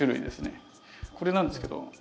これなんですけど。